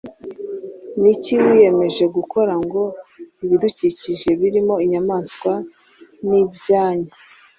ni iki wiyemeje gukora ngo ibidukikije birimo inyamaswa n’ibyanya